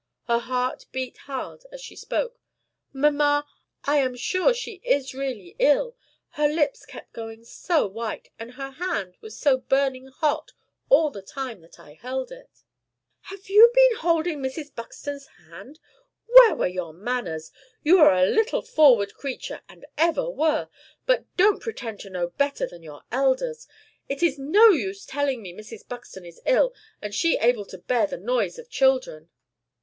Her heart beat hard as she spoke. "Mamma! I am sure she is really ill. Her lips kept going so white; and her hand was so burning hot all the time that I held it." "Have you been holding Mrs. Buxton's hand? Where were your manners? You are a little forward creature, and ever were. But don't pretend to know better than your elders. It is no use telling me Mrs. Buxton is ill, and she able to bear the noise of children."